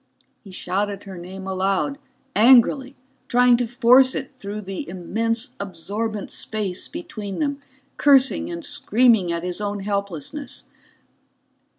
_" He shouted her name aloud, angrily, trying to force it through the immense absorbent space between them, cursing and screaming at his own helplessness.